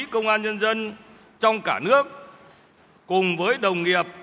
công an nhân dân trong cả nước cùng với đồng nghiệp